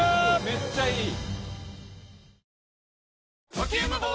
めっちゃいい。